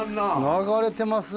流れてます。